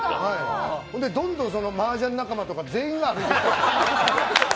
どんどんマージャン仲間とか全員が歩いてきたので。